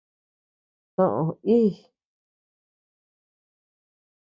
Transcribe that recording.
Soʼö íi.